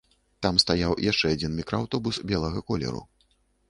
Там стаяў яшчэ адзін мікрааўтобус белага колеру.